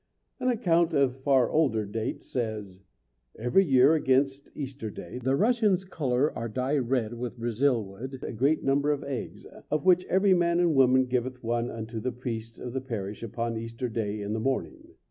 An account of far older date says, "Every year against Easter day, the Russians color or dye red with Brazil wood a great number of eggs, of which every man and woman giveth one unto the priest of the parish upon Easter day in the morning.